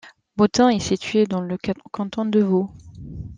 Bottens est située dans le canton de Vaud.